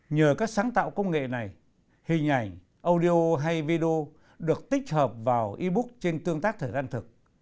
nhờ các sáng tạo công nghệ này hình ảnh audio hay video được tích hợp vào e book trên tương tác thời gian thực